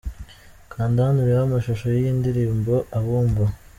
Kanda hano urebe amashusho y'iyi ndirimbo 'Abumva' .